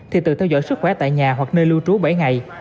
thì tự theo dõi sức khỏe tại nhà hoặc nơi lưu trú bảy ngày